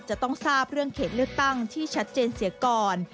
จะต้องทราบเรื่องเขตเลือกตั้งที่ชัดเจนเสียก่อน